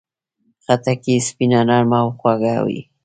خټکی سپینه، نرمه او خوږه وي.